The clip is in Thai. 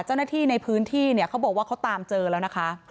เจ้าหน้าที่ในพื้นที่เนี่ยเขาบอกว่าเขาตามเจอแล้วนะคะ